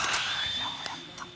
ようやった。